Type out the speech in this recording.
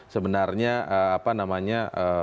sebenarnya apa namanya